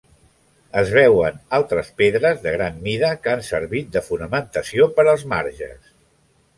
Es veuen altres pedres de gran mida que han servit de fonamentació per als marges.